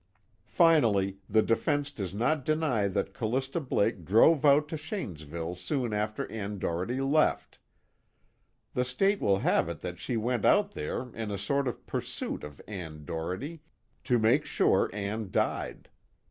Finally, the defense does not deny that Callista Blake drove out to Shanesville soon after Ann Doherty left. The State will have it that she went out there in a sort of pursuit of Ann Doherty, to make sure Ann died.